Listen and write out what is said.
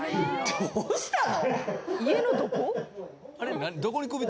どうしたの？